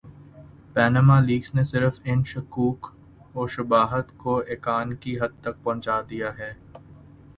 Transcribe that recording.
Panama leaks نے صرف ان شکوک وشبہات کو ایقان کی حد تک پہنچا دیا ہے۔